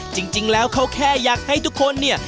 จริงแล้วเขาแค่อยากให้ทุกคนเนี่ย